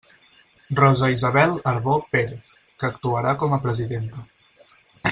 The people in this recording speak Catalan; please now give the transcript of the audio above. Rosa Isabel Arbó Pérez, que actuarà com a presidenta.